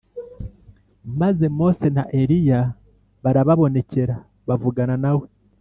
Maze Mose na Eliya barababonekera bavugana na we.